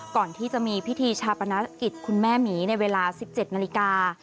ก่อนที่จะมีพิธีชาปนกิจคุณแม่หมีในเวลา๑๗นาฬิกา